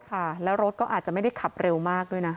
ค่ะแล้วรถก็อาจจะไม่ได้ขับเร็วมากด้วยนะ